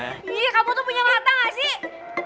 ih kamu tuh punya mata nggak sih